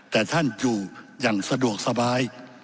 แต่ท่านอยู่อย่างสะดวกสบาย